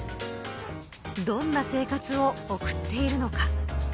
どんな生活を送っているのか。